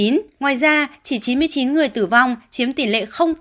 ngoài ra chỉ chín mươi chín người tử vong chiếm tỉ lệ ba